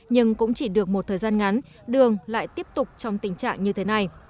nhưng cũng chỉ được một thời gian ngắn đường lại tiếp tục trong tình trạng như thế này